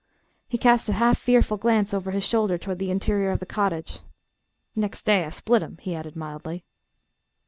He cast a half fearful glance over his shoulder toward the interior of the cottage. "Next day I split 'em," he added, mildly.